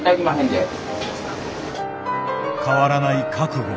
変わらない覚悟。